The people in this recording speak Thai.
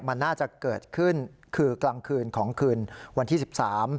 มันน่าจะเกิดขึ้นคือกลางคืนของคืนวันที่สิบสาม